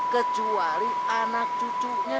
kecuali anak cucunya